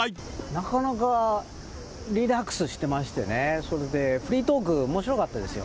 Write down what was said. なかなかリラックスしてましてね、それでフリートーク、おもしろかったですよ。